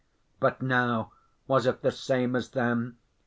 But now? Was it the same as then?